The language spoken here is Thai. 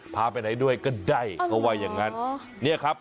พาไปไหนด้วยก็ได้เพราะว่าอย่างนั้น